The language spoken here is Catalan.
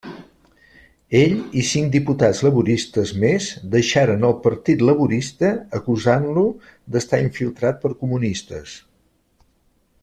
Ell i cinc diputats laboristes més deixaren el Partit Laborista acusant-lo d'estar infiltrat per comunistes.